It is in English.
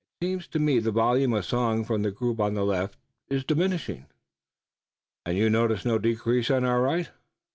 It seems to me the volume of song from the group on the left is diminishing." "And you notice no decrease on our right?"